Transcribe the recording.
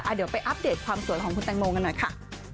เดี๋ยวไปอัปเดตความสวยของคุณแตงโมกันหน่อยค่ะ